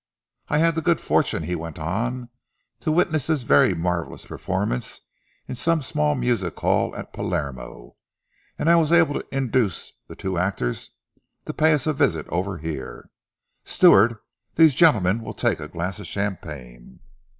I had the good fortune," he went on, "to witness this very marvellous performance in a small music hall at Palermo, and I was able to induce the two actors to pay us a visit over here. Steward, these gentlemen will take a glass of champagne."